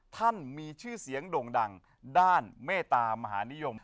ท่านมีชื่อเสียงโด่งดังด้านเมตามหานิยม